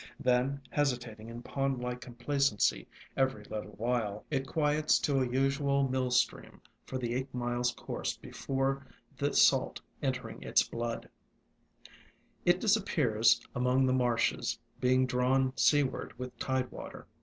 Then, hesitating in pond like complacency every little while, it quiets to a usual mill stream for the eight miles' course before, the c 33 34 ALONG THE WATERWAYS salt entering its blood, it disappears among the marshes, being drawn seaward with tide water.